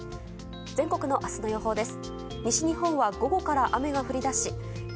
全国の明日の予報です。